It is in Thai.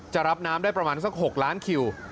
จะรับน้ำได้ประมาณสัก๖ล้านคิว